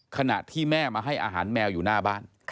ขณะที่แม่มาให้อาหารแมวอยู่หน้าบ้าน